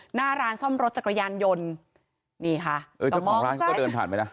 หน้าร้านซ่อมรถจักรยานยนต์นี่ค่ะเออเจ้าของร้านเขาก็เดินผ่านไปนะ